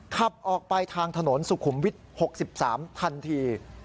ขับออกไปทางถนนสุขุมวิทย์๖๓ทันที